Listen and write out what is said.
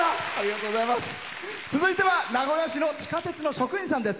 続いては名古屋市の地下鉄の職員さんです。